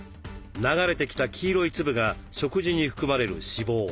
流れてきた黄色い粒が食事に含まれる脂肪。